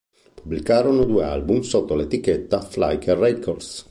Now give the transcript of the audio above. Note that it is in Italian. Pubblicarono due album sotto l'etichetta Flicker Records.